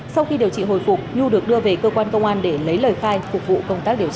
sau khi điều trị hồi phục nhu được đưa về cơ quan công an để lấy lời khai phục vụ công tác điều tra